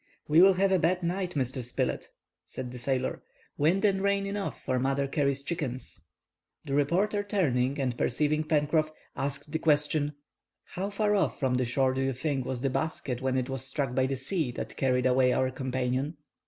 "We will have a bad night, Mr. Spilett," said the sailor. "Wind and rain enough for Mother Cary's chickens." The reporter turning, and perceiving Pencroff, asked this question:— "How far off from the shore do you think was the basket when it was struck by the sea that carried away our companion?"